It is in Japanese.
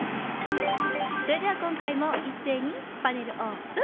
それでは今回も一斉にパネルオープン。